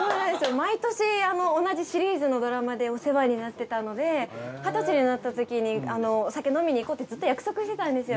毎年同じシリーズのドラマでお世話になってたので二十歳になったときにお酒飲みにいこうってずっと約束してたんですよ。